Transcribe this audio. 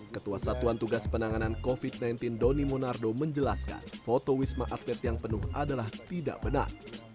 ketua satuan tugas penanganan covid sembilan belas doni monardo menjelaskan foto wisma atlet yang penuh adalah tidak benar